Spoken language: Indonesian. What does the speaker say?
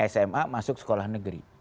sma masuk sekolah negeri